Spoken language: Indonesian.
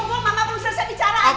mama belum selesai bicara adik